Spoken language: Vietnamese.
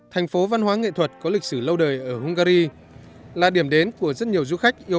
thành phố văn hóa nghệ thuật có lịch sử lâu đời ở hungary là điểm đến của rất nhiều du khách yêu